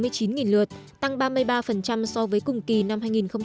tăng hơn sáu mươi chín lượt tăng ba mươi ba so với cùng kỳ năm hai nghìn một mươi bảy